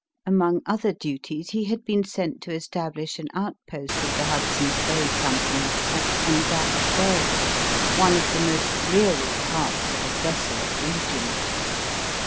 Among other duties he had been sent to establish an outpost of the Hudson s Bay Company at Ungava Bay, one of the most dreary parts of a desolate region.